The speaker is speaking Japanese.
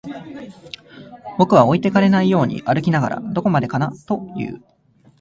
僕は置いてかれないように歩きながら、どこまでかなと言う